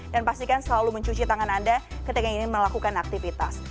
dan pastikan selalu mencuci tangan anda ketika ingin melakukan aktivitas